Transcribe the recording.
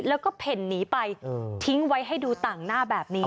แล้วก็เพ่นหนีไปทิ้งไว้ให้ดูต่างหน้าแบบนี้